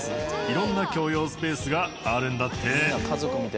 色んな共用スペースがあるんだって。